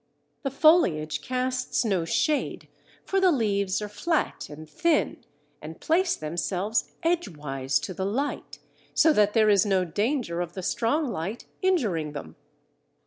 The foliage casts no shade, for the leaves are flat and thin, and place themselves edgewise to the light, so that there is no danger of the strong light injuring them.